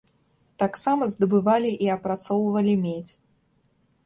Таксама здабывалі і апрацоўвалі медзь.